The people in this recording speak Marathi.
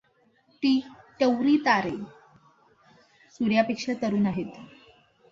टी टौरी तारे सूर्यापेक्षा तरुण आहेत.